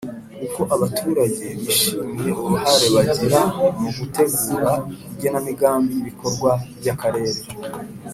Uko abaturage bishimiye uruhare bagira mu gutegura igenamigambi ry ibikorwa by akarere